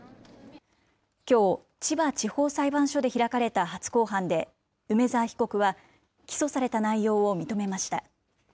きょう、千葉地方裁判所で開かれた初公判で梅澤被告は、起訴された内容を認めました。